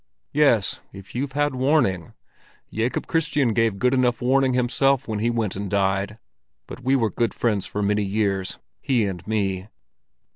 "Yes, if you've had warning. Jacob Kristian gave good enough warning himself when he went and died. But we were good friends for many years, he and me."